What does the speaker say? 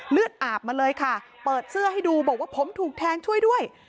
เลือดอาบมาเลยค่ะเปิดเสื้อให้ดูบอกว่าผมถูกแทงช่วยด้วย